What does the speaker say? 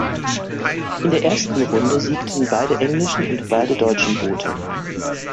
In der ersten Runde siegten beide englischen und beide deutschen Boote.